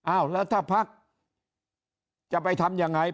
อ้าวแล้วถ้าพักจะไปทำยังไง